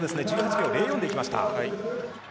１８秒０４で行きました。